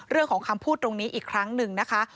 เรื่องของคำพูดตรงนี้อีกครั้งหนึ่งนะคะ